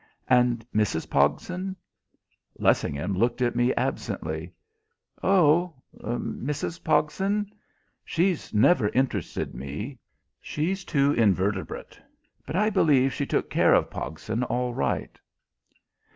"And Mrs. Pogson?" Lessingham looked at me absently. "Oh! Mrs. Pogson? She's never interested me. She's too invertebrate; but I believe she took care of Pogson all right."